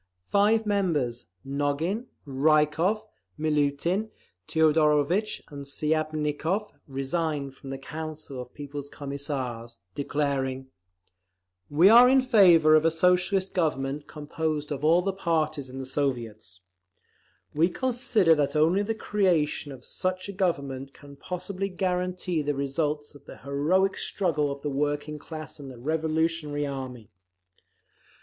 Five members—Nogin, Rykov, Miliutin, Teodorovitch and Shiapnikov—resigned from the Council of People's Commissars, declaring: We are in favour of a Socialist Government composed of all the parties in the Soviets. We consider that only the creation of such a Government can possibly guarantee the results of the heroic struggle of the working class and the revolutionary army.